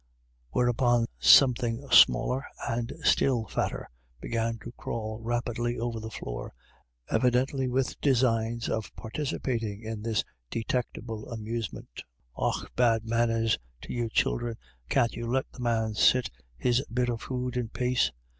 Whereupon something smaller and still fatter began to crawl rapidly over the floor, evidently with designs of participating in this detectable amusement 90 IRISH IDYLLS. u Och, bad manners to you childer, can't you let the man ait his bit o' food in pake